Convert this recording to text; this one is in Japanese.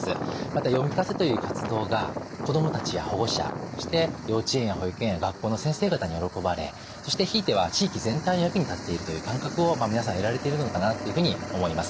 また読み聞かせという活動が子どもたちや保護者そして幼稚園や保育園や学校の先生方に喜ばれそしてひいては地域全体の役に立っているという感覚を皆さん得られているのかなっていうふうに思います。